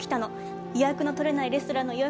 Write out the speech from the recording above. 予約の取れないレストランの予約が取れてね。